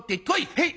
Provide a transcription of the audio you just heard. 「へい！